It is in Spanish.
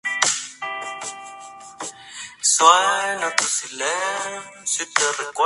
El Jefe es el padre de Ava, Osceola y Kiwi.